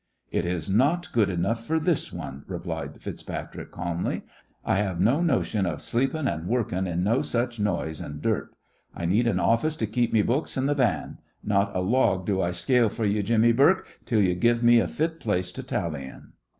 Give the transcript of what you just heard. "It is not good enough for this one," replied FitzPatrick, calmly. "I have no notion of sleepin' and workin' in no such noise an' dirt. I need an office to keep me books and th' van. Not a log do I scale for ye, Jimmy Bourke, till you give me a fit place to tally in."